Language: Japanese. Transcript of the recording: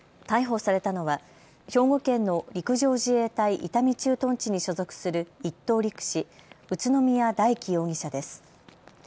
逮捕されたのは兵庫県の陸上自衛隊伊丹駐屯地に所属する１等陸士、宇都宮大輝容疑者です。